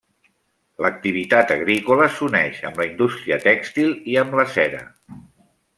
L'activitat agrícola s'uneix amb la indústria tèxtil i amb la cera.